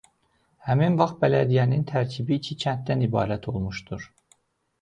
Həmin vaxt bələdiyyənin tərkibi iki kənddən ibarət olmuşdur.